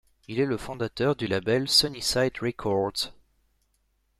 Il est le fondateur du label Sunnyside Records.